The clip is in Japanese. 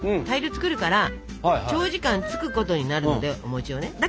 大量に作るから長時間つくことになるんでお餅をね。